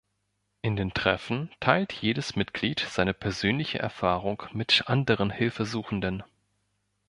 In den Treffen teilt jedes Mitglied seine persönliche Erfahrung mit anderen Hilfesuchenden.